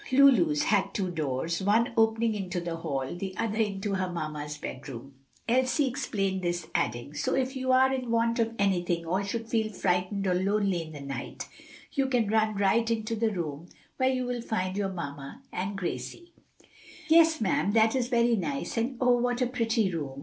Lulu's had two doors, one opening into the hall, the other into her mamma's bedroom. Elsie explained this, adding, "So, if you are in want of anything or should feel frightened or lonely in the night, you can run right in to the room where you will find your mamma and Gracie." "Yes, ma'am, that is very nice; and oh, what a pretty room!